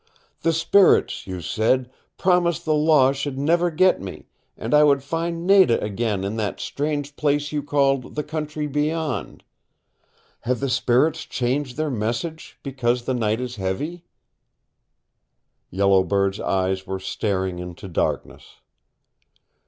"The spirits, you said, promised the law should never get me, and I would find Nada again in that strange place you called the Country Beyond. Have the spirits changed their message, because the night is heavy?" Yellow Bird's eyes were staring into darkness.